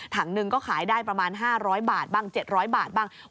หนึ่งก็ขายได้ประมาณ๕๐๐บาทบ้าง๗๐๐บาทบ้าง